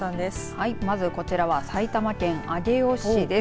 はい、まずこちらは埼玉県上尾市です。